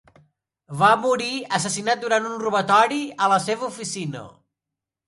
Va morir assassinat durant un robatori a la seva oficina.